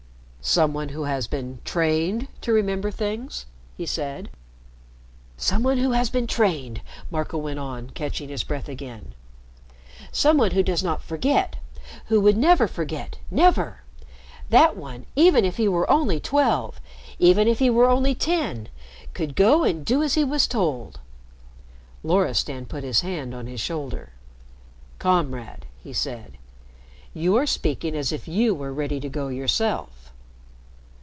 "Some one who has been trained to remember things?" he said. "Some one who has been trained," Marco went on, catching his breath again. "Some one who does not forget who would never forget never! That one, even if he were only twelve even if he were only ten could go and do as he was told." Loristan put his hand on his shoulder. "Comrade," he said, "you are speaking as if you were ready to go yourself."